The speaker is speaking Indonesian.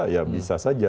ya bisa saja